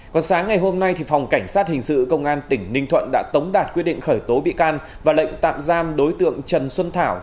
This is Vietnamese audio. còn sáng ngày hôm nay phòng cảnh sát hình sự công an tỉnh ninh thuận đã tống đạt quyết định khởi tố bị can và lệnh tạm giam đối tượng trần xuân thảo